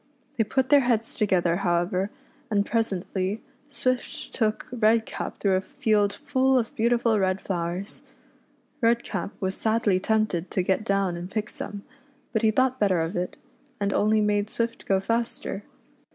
They put their heads to gether, however, and presently Swift took Redcap through a field full of beautiful red flowers. Redcap was sadly tempted to get down and pick some, but he thought better of it, and only made Swift go faster.